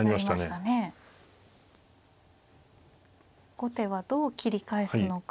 後手はどう切り返すのか。